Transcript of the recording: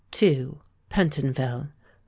Pentonville; 3.